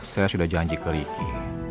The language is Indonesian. saya sudah janji ke ricky